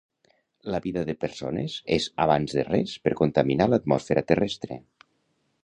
La vida de persones és abans de res per contaminar l'atmosfera terrestre